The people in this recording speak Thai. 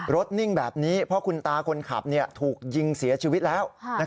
นิ่งแบบนี้เพราะคุณตาคนขับถูกยิงเสียชีวิตแล้ว